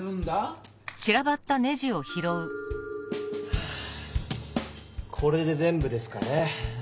はぁこれで全部ですかね。